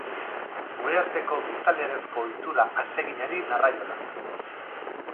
Gure arteko gizalegezko ohitura atseginari narraiola.